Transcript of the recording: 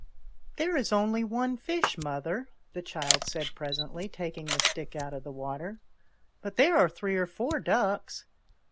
" There is only one fish, mother," the child said presently, taking the stick out of the water, " but there are three or four ducks.